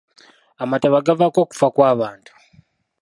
Amataba gavaako okufa kw'abantu.